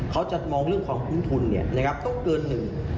เขาจะมองเรื่องความคุ้มทุนต้องเกินหนึ่ง